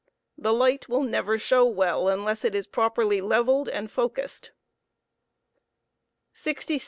The light will never show well unless it is properly leveled md focused. # 66.